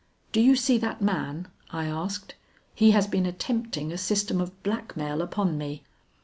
'Do you see that man?' I asked. 'He has been attempting a system of blackmail upon me.'